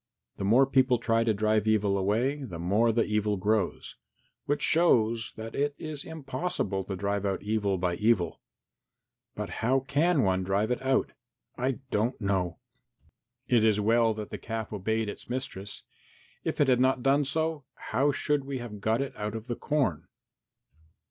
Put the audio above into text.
The more people try to drive away evil, the more the evil grows, which shows that it is impossible to drive out evil by evil. But how can one drive it out? I don't know. It is well that the calf obeyed its mistress; if it had not done so, how should we have got it out of the corn?"